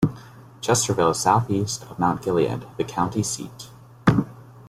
Chesterville is southeast of Mount Gilead, the county seat.